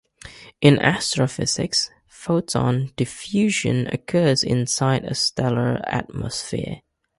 In astrophysics, photon diffusion occurs inside a stellar atmosphere.